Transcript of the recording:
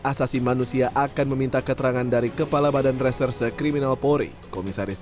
asasi manusia akan meminta keterangan dari kepala badan reserse kriminal polri komisaris